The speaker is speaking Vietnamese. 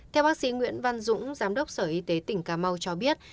theo bác sĩ nguyễn văn dũng giám đốc sở y tế tỉnh cà mau cho biết